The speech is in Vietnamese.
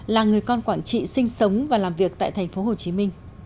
là người con quảng trị sinh sống và làm việc tại tp hcm